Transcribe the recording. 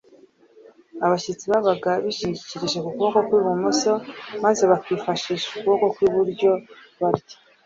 abashyitsi babaga bishingikirije ku kuboko kw'ibumoso maze bakifashisha ukuboko kw'iburyo barya.